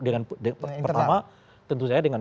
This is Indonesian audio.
dengan pertama tentu saya dengan